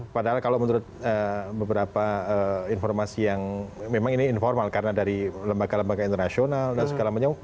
padahal kalau menurut beberapa informasi yang memang ini informal karena dari lembaga lembaga internasional dan segala macam